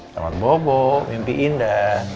selamat bobo mimpiin dan